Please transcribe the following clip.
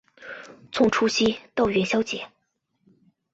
从除夕到元宵节